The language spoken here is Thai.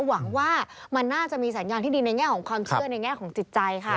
หวังว่ามันน่าจะมีสัญญาณที่ดีในแง่ของความเชื่อในแง่ของจิตใจค่ะ